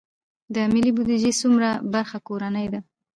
د ملي بودیجې څومره برخه کورنۍ ده؟